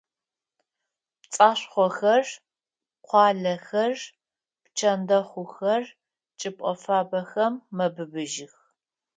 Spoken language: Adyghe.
Пцӏашхъохэр, къуалэхэр, пчэндэхъухэр чӏыпӏэ фабэхэм мэбыбыжьых.